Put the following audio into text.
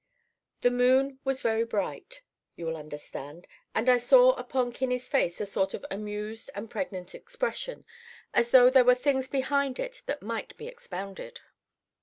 The moon was very bright, you will understand, and I saw upon Kinney's face a sort of amused and pregnant expression, as though there were things behind it that might be expounded.